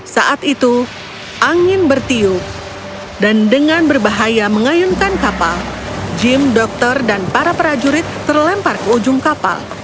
saat itu angin bertiup dan dengan berbahaya mengayunkan kapal gym dokter dan para prajurit terlempar ke ujung kapal